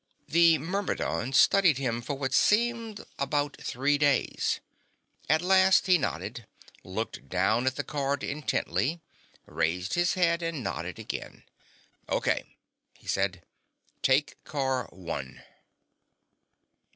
The Myrmidon studied him for what seemed about three days. At last he nodded, looked down at the card intently, raised his head and nodded again. "Okay," he said. "Take Car One."